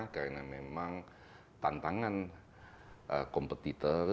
karena memang tantangan kompetitor